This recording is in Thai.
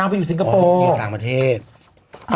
น้องไปอยู่สิงกโปร์อ๋ออยู่ภูเก็ตในภูเก็ตอ๋ออยู่ภูเก็ตในภูเก็ต